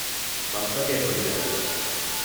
ބައްޕަގެ ރުޅި ގަދަވި